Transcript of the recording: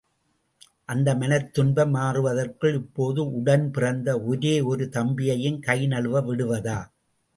அந்த மனத் துன்பம் மாறுவதற்குள் இப்போது உடன்பிறந்த ஒரே ஒரு தம்பியையும் கை நழுவ விடுவதா?